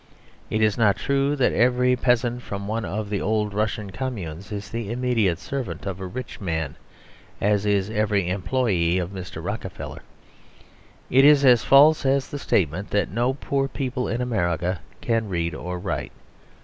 It is not true that every peasant from one of the old Russian communes is the immediate servant of a rich man, as is every employee of Mr. Rockefeller. It is as false as the statement that no poor people in America can read or write.